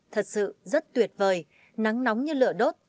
thật sự rất tuyệt vời nắng nóng như lửa đốt